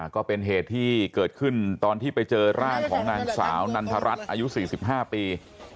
ก็เป็นเหตุที่เกิดขึ้นตอนที่ไปเจอร่างของนางสาวนันทรัฐอายุ๔๕ปี